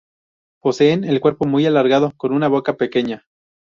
Poseen el cuerpo muy alargado, con una boca pequeña.